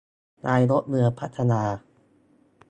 นายกเมืองพัทยา